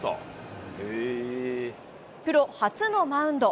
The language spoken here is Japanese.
プロ初のマウンド。